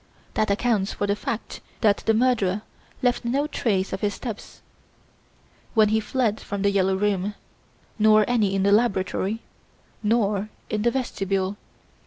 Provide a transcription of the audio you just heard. That accounts for the fact that the murderer left no trace of his steps when he fled from "The Yellow Room", nor any in the laboratory, nor in the vestibule.